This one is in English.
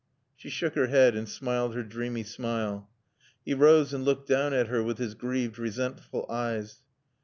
She shook her head and smiled her dreamy smile. He rose and looked down at her with his grieved, resentful eyes.